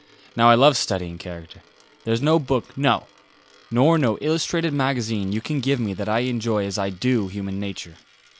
Now I love studying character. There's no book, no, nor no illustrated magazine, you can give me that I enjoy as I do human nature.